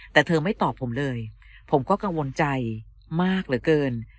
แต่เธอไม่ตอบผมเลยผมก็กังวลใจมากเหลือเกิน